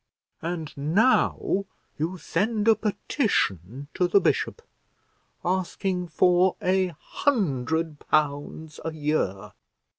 And now you send a petition to the bishop, asking for a hundred pounds a year!